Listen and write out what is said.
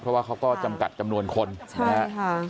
เพราะว่าเขาก็จำกัดจำนวนคนนะครับ